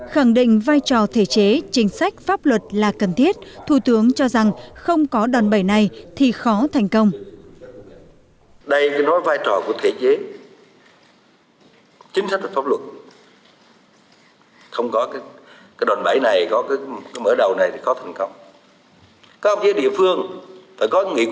khẳng định vai trò thể chế chính sách pháp luật là cần thiết thủ tướng cho rằng không có đòn bẫy này thì khó thành công